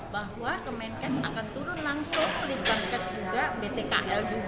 bahwa kemenkes akan turun langsung ke lidbangkes